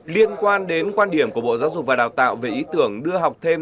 liên quan đến quan điểm của bộ giáo dục và đào tạo về ý tưởng đưa học thêm